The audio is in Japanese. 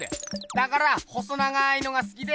だから細長いのがすきで。